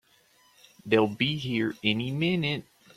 They'll be here any minute!